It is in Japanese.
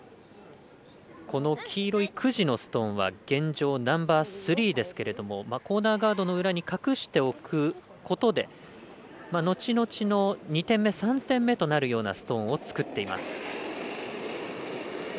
この黄色い９時のストーンは現状、ナンバースリーですけどコーナーガードの裏に隠しておくことで後々の２点目、３点目となるようなストーンを作っています。